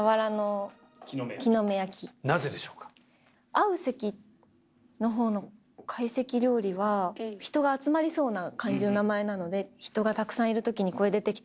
会う席のほうの会席料理は人が集まりそうな感じの名前なので人がたくさんいるときにこれ出てきたらおお！